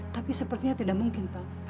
tapi sepertinya tidak mungkin pak